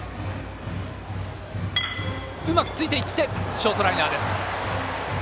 ショートライナーです。